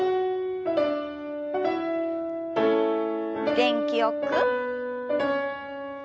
元気よく。